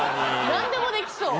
なんでもできそう。